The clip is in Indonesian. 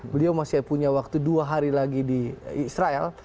beliau masih punya waktu dua hari lagi di israel